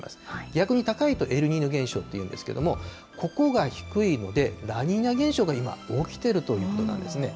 逆に高いとエルニーニョ現象というんですけれども、ここが低いので、ラニーニャ現象が今、起きてるということなんですね。